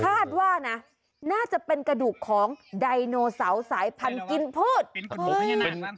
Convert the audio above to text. คาดว่านะน่าจะเป็นกระดูกของไดโนเสาสายพันธุ์กินพืช